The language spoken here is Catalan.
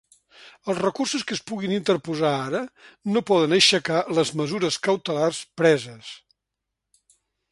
Els recursos que es puguin interposar ara no poden aixecar les mesures cautelars preses.